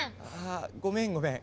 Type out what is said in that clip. あごめんごめん。